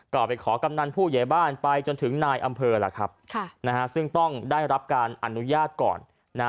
ก็ไปขอกำนันผู้ใหญ่บ้านไปจนถึงนายอำเภอล่ะครับซึ่งต้องได้รับการอนุญาตก่อนนะ